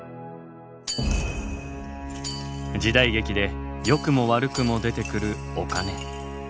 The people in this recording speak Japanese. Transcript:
時代劇でよくも悪くも出てくるお金。